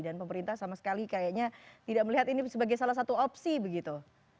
dan pemerintah sama sekali kayaknya tidak melihat ini sebagai salah satu opsi begitu